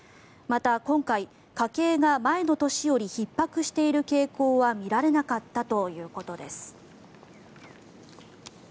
また、今回家計が前の年よりひっ迫している傾向は見られなかったということです。